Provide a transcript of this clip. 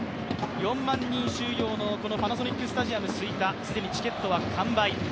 ４万人収容のパナソニックスタジアム吹田既にチケットは完売。